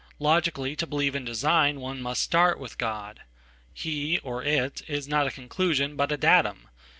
Logically, to believe in design one must start with God. He, or it, is not a conclusion but a datum.